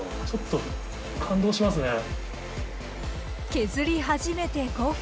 削り始めて５分。